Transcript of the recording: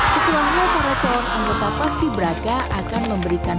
setelah laporan calon anggota pasti berlaka akan memberikan